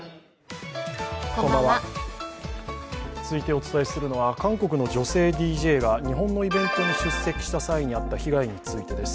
続いてお伝えするのは韓国の女性ＤＪが日本のイベントに出演した際に遭った被害についてです。